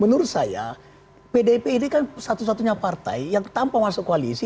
menurut saya pdip ini kan satu satunya partai yang tanpa masuk koalisi